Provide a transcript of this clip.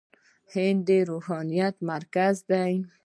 هند د روحانيت مرکز دی.